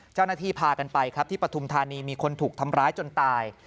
พากันไปครับที่ปฐุมธานีมีคนถูกทำร้ายจนตาย